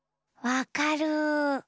「わかる！」